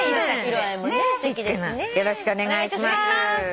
よろしくお願いします。